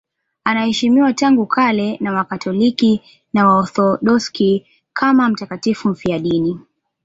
Anaheshimiwa tangu kale na Wakatoliki na Waorthodoksi kama mtakatifu mfiadini.